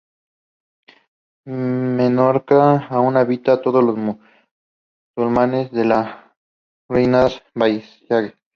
Menorca, aún habitada por los musulmanes, le rendía vasallaje.